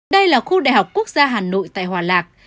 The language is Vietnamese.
đây là khu đại học quốc gia hà nội tại hòa lạc